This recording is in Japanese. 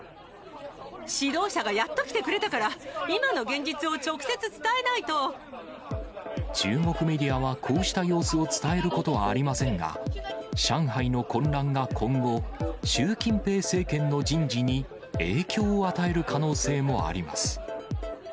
指導者がやって来てくれたか中国メディアはこうした様子を伝えることはありませんが、上海の混乱が今後、習近平政権の人事に影響を与える可能性もあります。